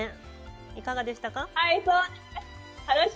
いかがでしたか？